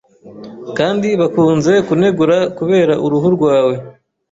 Kandi bakunze kunegura kubera uruhu rwawe